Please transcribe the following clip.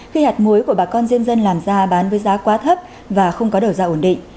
khi hạt muối của bà con diêm dân làm ra bán với giá quá thấp và không có đầu ra ổn định